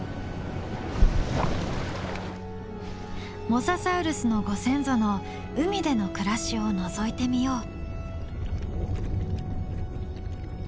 モササウルスのご先祖の海での暮らしをのぞいてみよう。